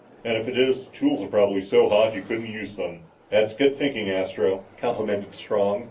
And if it is, the tools are probably so hot you couldn't use them." "That's good thinking, Astro," complimented Strong.